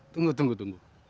tunggu tunggu tunggu